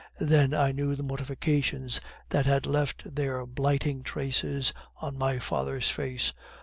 Then I knew the mortifications that had left their blighting traces on my father's face.